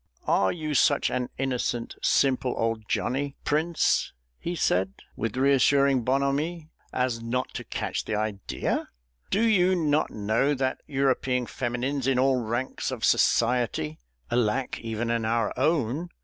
"Are you such an innocent, simple old Johnny, Prince," he said, with reassuring bonhomie, "as not to catch the idea? Do you not know that European feminines in all ranks of society alack, even in our own!